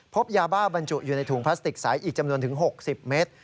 พบยาบ้าบรรจุอยู่ในถุงพลาสติกใสอีกจำนวนถึง๖๐เมตร